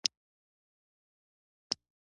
لېونۍ! دومره بې وجدان نه یمه